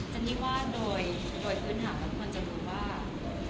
เจนนี่ว่าโดยคืนหาบางคนจะรู้ว่า